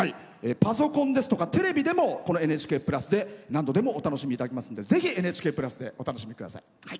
パソコンですとかテレビでも「ＮＨＫプラス」で何度でもお楽しみいただけますのでぜひ、「ＮＨＫプラス」でお楽しみください。